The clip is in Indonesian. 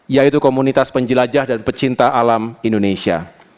yaitu komunitas penjelajah dan pecinta alam indonesia